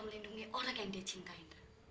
melindungi orang yang dicintai